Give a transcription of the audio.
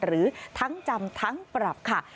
หรือทั้งจำทั้งปรับค่ะ